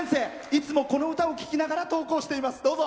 いつも、この歌を聴きながら登校しています。